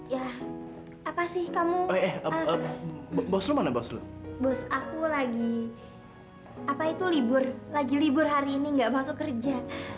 ya apa sih kamu bos lu mana bos bos aku lagi apa itu libur lagi libur hari ini enggak masuk kerja